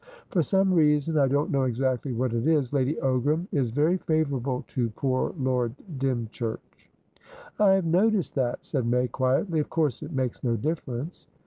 For some reasonI don't know exactly what it isLady Ogram is very favourable to poor Lord Dymchurch." "I have noticed that," said May, quietly. "Of course it makes no difference."